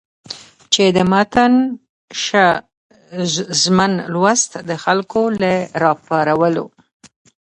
چې د متن ښځمن لوست د خلکو له راپارولو